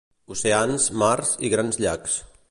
Oceans, mars i grans llacs.